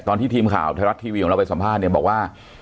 ตอนที่ทีมข่าวไทยรัฐทีวีของเราไปสัมภาษณ์เนี่ยบอกว่า